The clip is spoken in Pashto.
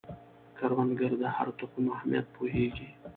کروندګر د هر تخم اهمیت پوهیږي